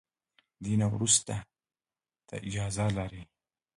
دې نه وروسته ته اجازه لري.